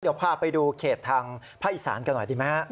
เดี๋ยวพาไปดูเขตทางภาคอีสานกันหน่อยดีไหมฮะ